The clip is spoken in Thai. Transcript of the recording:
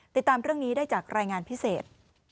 ติดตามเรื่องนี้ได้จากรายงานพิเศษ